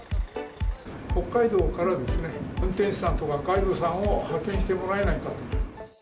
北海道からですね、運転手さんとかガイドさんを派遣してもらえないかと。